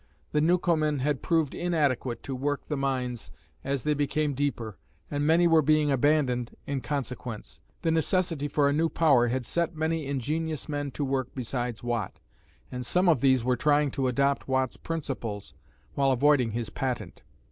The Newcomen had proved inadequate to work the mines as they became deeper, and many were being abandoned in consequence. The necessity for a new power had set many ingenious men to work besides Watt, and some of these were trying to adopt Watt's principles while avoiding his patent.